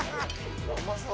うまそう！